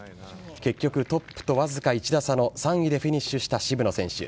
結局、トップと僅か１打差の３位でフィニッシュした渋野選手。